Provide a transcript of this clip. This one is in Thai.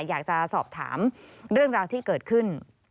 อยากจะสอบถามเรื่องราวที่เกิดขึ้น